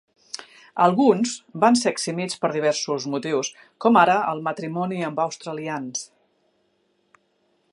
Alguns van ser eximits per diversos motius, com ara el matrimoni amb australians.